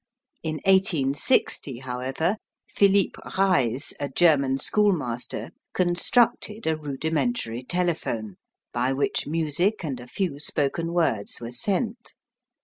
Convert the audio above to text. In 1860, however, Philipp Reis, a German schoolmaster, constructed a rudimentary telephone, by which music and a few spoken words were sent.